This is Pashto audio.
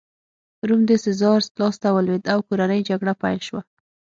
روم د سزار لاسته ولوېد او کورنۍ جګړه پیل شوه